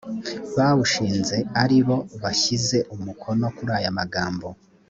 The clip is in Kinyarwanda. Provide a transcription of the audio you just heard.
bawushinze aribo bashyize umukono kuri aya magambo